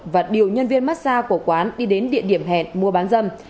và điều nhân viên mát xa của quán đi đến địa điểm hẹn mua bán dâm